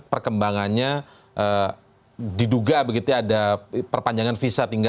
perkembangannya diduga ada perpanjangan